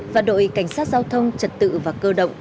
và đội cảnh sát giao thông trật tự và cơ động